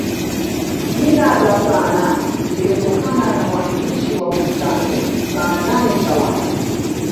jina la saanane limetokana na muanzilishi wa bustani saanane chawande